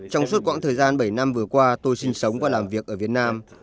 trong suốt quãng thời gian bảy năm vừa qua tôi sinh sống và làm việc ở việt nam